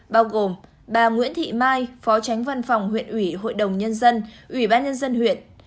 bao gồm bà nguyễn thị mai phó tránh văn phòng huyện ủy hội đồng nhân dân ủy ban nhân dân huyện